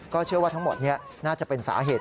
เชื่อว่าทั้งหมดนี้น่าจะเป็นสาเหตุ